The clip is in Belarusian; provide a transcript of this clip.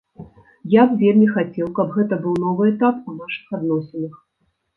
І я б вельмі хацеў, каб гэта быў новы этап у нашых адносінах.